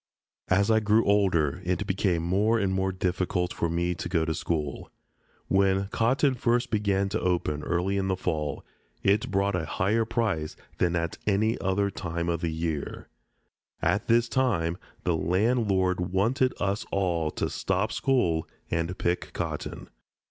As I grew older it became more and more difficult for me to go to school. When cotton first began to open, early in the fall, it brought a higher price than at any other time of the year. At this time the landlord wanted us all to stop school and pick cotton.